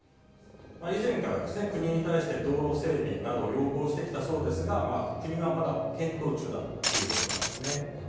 以前から国に対して道路整備などを要望してきたそうですが、国はまだ検討中だということなんですね。